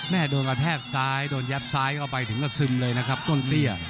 โดนกระแทกซ้ายโดนยัดซ้ายเข้าไปถึงกระซึมเลยนะครับต้นเตี้ย